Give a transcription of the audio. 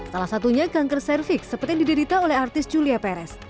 salah satunya kanker cervix seperti yang diderita oleh artis julia perez